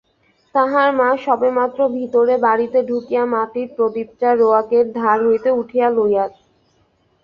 তাহার মা সবেমাত্র ভিতরের বাড়িতে ঢুকিয়া মাটির প্রদীপটা রোয়াকের ধার হইতে উঠাইয়া লইতেছে।